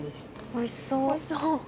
おいしそう。